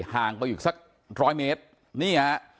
ฐานพระพุทธรูปทองคำ